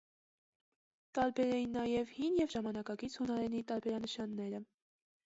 Տարբեր էին նաև հին և ժամանակակից հունարենի տարբերանշանները։